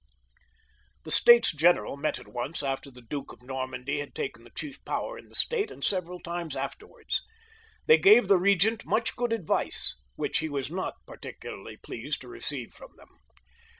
The States General met at once after the Duke of Normandy had taken the chief power in the State, and several times afterwards. They gave the regent much good advice, which he was not particularly pleased to receive from them.